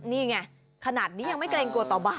นี่ไงขนาดนี้ยังไม่เกรงกลัวต่อบาท